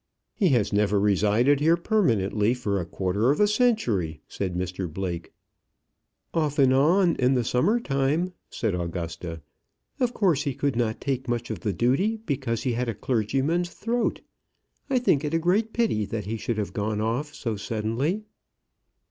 "He has never resided here permanently for a quarter of a century," said Mr Blake. "Off and on in the summer time," said Augusta. "Of course he could not take much of the duty, because he had a clergyman's throat. I think it a great pity that he should have gone off so suddenly."